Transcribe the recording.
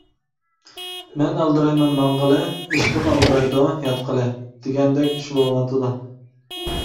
«مەن ئالدىرايمەن ماڭغىلى، ئېشىكىم ئالدىرايدۇ ياتقىلى» دېگەندەك ئىش بولۇۋاتىدۇ.